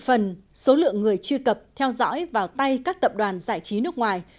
phần số lượng người truy cập theo dõi vào tay các tập đoàn giải trí nước ngoài